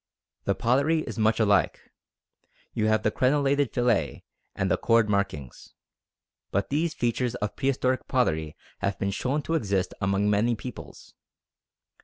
The pottery is much alike: you have the crenellated fillet and the cord markings. But these features of prehistoric pottery have been shown to exist among many peoples.